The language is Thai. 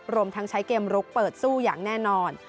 รวมทั้งใช้เกมลุกเปิดสู้อย่างแน่นอน